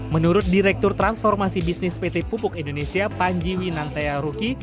menurut direktur transformasi bisnis pt pupuk indonesia panji winantea ruki